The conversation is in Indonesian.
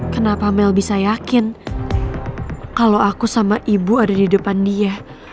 kenapa mel bisa yakin kalau aku sama ibu ada di depan dia